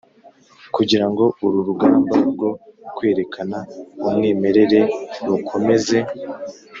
kugirango uru rugamba rwo kwerekana umwimerere rukomeze